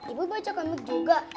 ibu baca komik juga